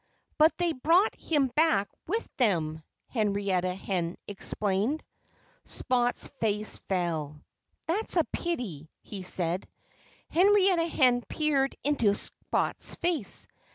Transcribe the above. But they brought him back with them!" Henrietta Hen explained. Spot's face fell. "That's a pity," he said. Henrietta Hen peered into Spot's face.